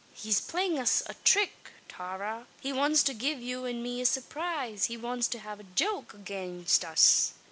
"He's playin' us a thrick, Tara. He wants to give you an me a surproise. He wants to have a joke agaynst us!